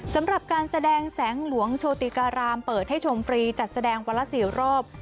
สำหรับการแสดงแสงหลวงโชติการามเปิดให้ชมฟรีจัดแสดงวันละ๔รอบ